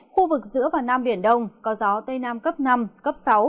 khu vực giữa và nam biển đông có gió tây nam cấp năm cấp sáu